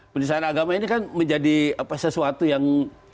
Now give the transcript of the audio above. penistaan agama ini kan menjadi sesuatu yang